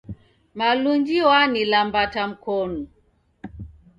Malunji w'anilambata mkonu.